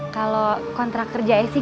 kalau kontrak kerja esy